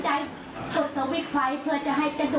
แกขึ้นบ้านนะแกขึ้นไปดูเหอะมันยังไงเนี่ย